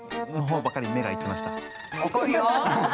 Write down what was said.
怒るよ。